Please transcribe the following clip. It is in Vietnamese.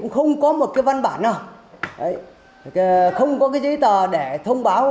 không có một cái văn bản nào không có cái giấy tờ để thông báo